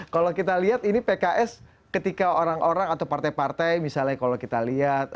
kalau kita lihat ini pks ketika orang orang atau partai partai misalnya kalau kita lihat